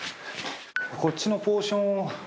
こっちのポーション